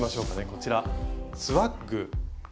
こちら「スワッグ」。